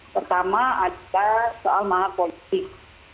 pertama ada soal maha politik